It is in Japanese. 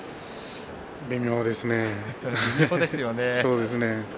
微妙ですね。